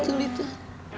tuh tuh tuh